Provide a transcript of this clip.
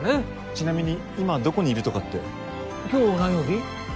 ちなみに今どこにいるとかって。今日何曜日？